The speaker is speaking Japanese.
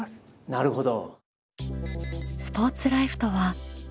なるほど。